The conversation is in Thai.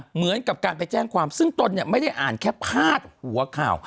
เหมือนกับการไปแจ้งความซึ่งตนเนี่ยไม่ได้อ่านแค่พาดหัวข่าว